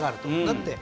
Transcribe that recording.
だって。